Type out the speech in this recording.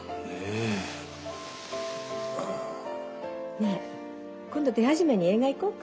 ねえ今度手始めに映画行こうか。